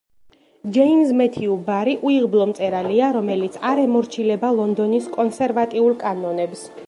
ჯეიმზ მეთიუ ბარი უიღბლო მწერალია, რომელიც არ ემორჩილება ლონდონის კონსერვატიულ კანონებს.